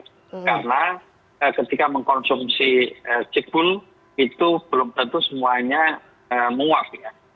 karena ketika mengkonsumsi s cikbul itu belum tentu semuanya muaf ya